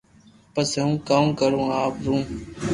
پسي ھون ڪاو ڪرو آپ رون